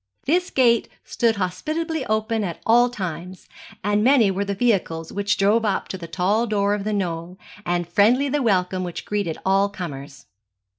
This gate stood hospitably open at all times, and many were the vehicles which drove up to the tall door of The Knoll, and friendly the welcome which greeted all comers.